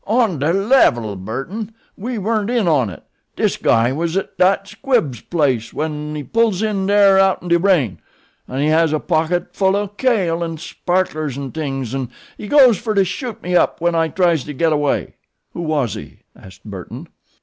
"On de level, Burton, we wern't in on it. Dis guy was at dat Squibbs' place wen we pulls in dere outen de rain. He has a pocket full o' kale an' sparklers an' tings, and he goes fer to shoot me up wen I tries to get away." "Who was he?" asked Burton.